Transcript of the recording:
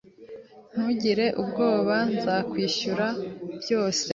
Ntugire ubwoba. Nzakwishura byose.